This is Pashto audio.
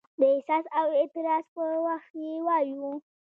د احساس او اعتراض په وخت یې وایو.